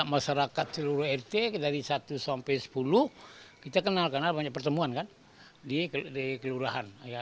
masyarakat seluruh rt dari satu sampai sepuluh kita kenal karena banyak pertemuan kan di kelurahan